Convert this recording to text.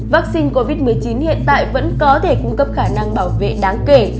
vaccine covid một mươi chín hiện tại vẫn có thể cung cấp khả năng bảo vệ đáng kể